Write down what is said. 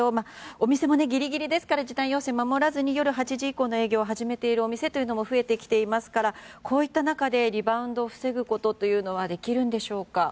お店もギリギリですから時短要請を守らずに夜８時以降の営業を始めてきている店も増えてきていますからこういった中でリバウンドを防ぐことはできるんでしょうか。